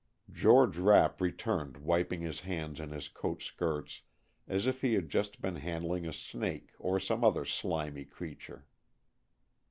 George Rapp returned wiping his hands in his coat skirts as if he had just been handling a snake, or some other slimy creature.